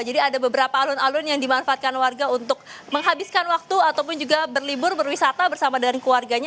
jadi ada beberapa alun alun yang dimanfaatkan warga untuk menghabiskan waktu ataupun juga berlibur berwisata bersama dengan keluarganya